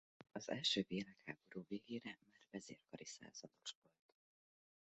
Az első világháború végére már vezérkari százados volt.